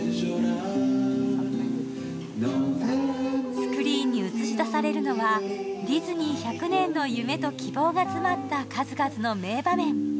スクリーンに映し出されるのはディズニー１００年の夢と希望が詰まった数々の名場面。